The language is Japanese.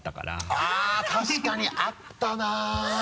あぁ確かにあったな！